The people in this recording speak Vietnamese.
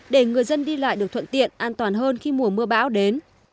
để người dân đi lại được thuận tiện an toàn hơn khi mùa mưa bão đến